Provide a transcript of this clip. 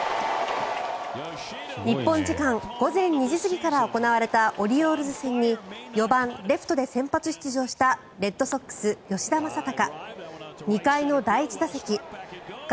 日本時間午前２時過ぎから行われたオリオールズ戦に４番レフトで先発出場したレッドソックス、吉田正尚。